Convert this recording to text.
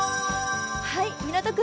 港区